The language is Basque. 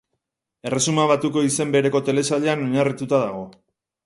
Erresuma Batuko izen bereko telesailean oinarrituta dago.